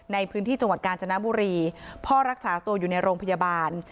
ในพื้นที่จังหวัดกาญจนบุรีพ่อรักษาตัวอยู่ในโรงพยาบาล